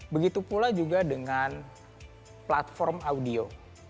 begitu pula juga dengan platform audio